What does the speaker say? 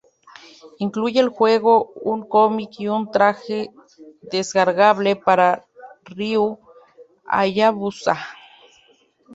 Incluye el juego, un cómic y un traje descargable para Ryu Hayabusa.